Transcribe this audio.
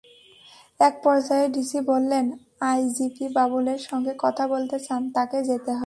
একপর্যায়ে ডিসি বললেন, আইজিপি বাবুলের সঙ্গে কথা বলতে চান, তাঁকে যেতে হবে।